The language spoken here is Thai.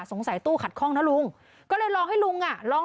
สงสัยตู้ขัดข้องนะลุง